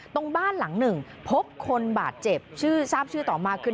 ตรงบ้านหลังหนึ่งพบคนบาดเจ็บชื่อทราบชื่อต่อมาคือ